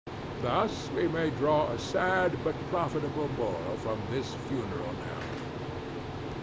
Thus we may draw a sad but profitable moral from this funeral knell."